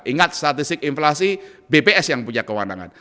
ingat statistik inflasi bps yang punya kewenangan